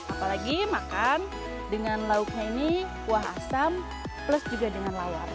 apalagi makan dengan lauknya ini kuah asam plus juga dengan lawar